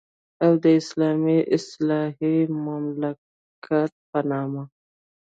او د اسلامي اصلاحي مملکت په نامه.